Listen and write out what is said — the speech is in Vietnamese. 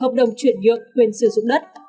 hợp đồng chuyển nhượng quyền sử dụng đất